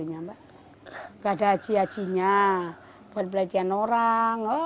nggak ada haji hajinya buat pelajian orang